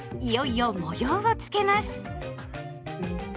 いよいよ模様をつけます。